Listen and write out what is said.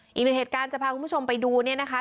อีกหนึ่งเหตุการณ์จะพาคุณผู้ชมไปดูเนี่ยนะคะ